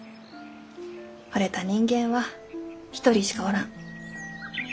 ほれた人間は一人しかおらん。